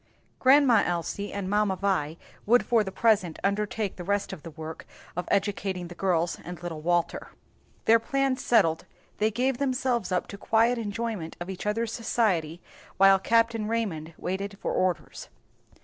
Grandma Elsie and Mamma Vi would for the present undertake the rest of the work of educating the girls and little Walter. Their plans settled, they gave themselves up to quiet enjoyment of each other's society while Capt. Raymond waited for orders.